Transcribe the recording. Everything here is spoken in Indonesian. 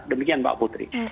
demikian mbak putri